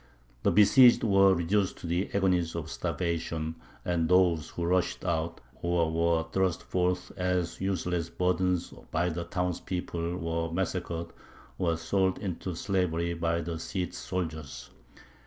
The besieged were reduced to the agonies of starvation, and those who rushed out, or were thrust forth as useless burdens by the townspeople, were massacred or sold into slavery by the Cid's soldiers.